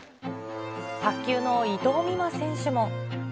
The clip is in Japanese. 卓球の伊藤美誠選手も。